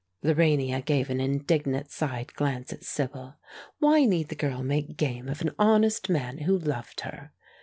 Lorania gave an indignant side glance at Sibyl. Why need the girl make game of an honest man who loved her?